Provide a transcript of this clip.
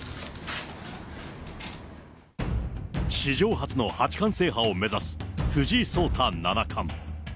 史上初の八冠制覇を目指す、藤井聡太七冠。